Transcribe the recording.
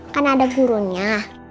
kan ada gurunya